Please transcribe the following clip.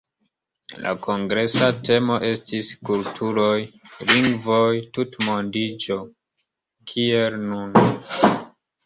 La kongresa temo estis “Kulturoj, lingvoj, tutmondiĝo: Kien nun?”.